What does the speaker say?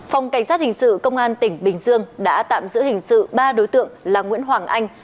phòng cảnh sát hình sự công an tỉnh bình dương đã tạm giữ hình sự ba đối tượng là nguyễn hoàng anh